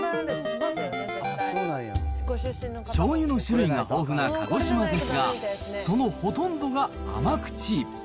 しょうゆの種類が豊富な鹿児島ですが、そのほとんどが甘口。